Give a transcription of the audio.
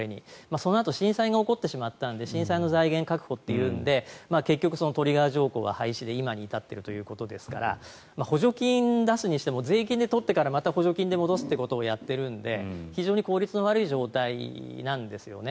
そのあと震災が起こってしまったので震災の財源確保というので結局、トリガー条項が廃止で今に至っているということですから補助金出すにしても税金で取ってからまた補助金で戻すということをやっているので非常に効率の悪い状態なんですよね。